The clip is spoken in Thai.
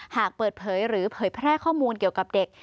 หากเปิดเผยหรือเผยแพร่ข้อมูลเกี่ยวกับเด็ก